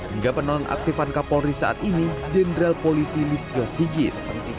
hingga penonaktifan kapolri saat ini jenderal polisi listio sigit